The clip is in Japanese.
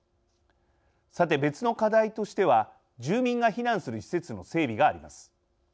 さて、別の課題としては住民が避難する施設の整備があります。